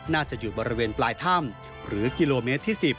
น่าจะอยู่บริเวณปลายถ้ำหรือกิโลเมตรที่๑๐